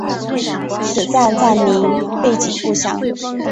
此站站名背景不详。